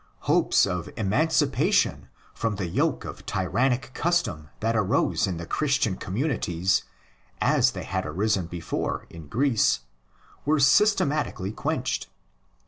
Hopes of emancipation from the yoke of tyrannic ' custom that arose in the Christian communities, as _ they had arisen before in Greece, were systematically : quenched.